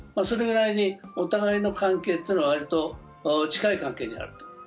それぐらいにお互いの関係というのは、割と近い関係にあると。